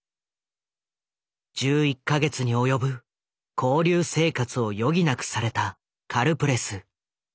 １１か月に及ぶ勾留生活を余儀なくされたカルプレス。